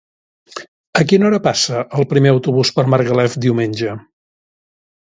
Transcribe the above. A quina hora passa el primer autobús per Margalef diumenge?